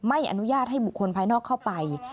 ไม่อนุญาตให้บุคคลภายนอกเข้าไป